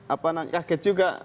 apa kaget juga